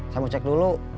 saya mau cek dulu